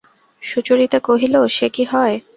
সুচরিতা কহিল, সে কি হয়!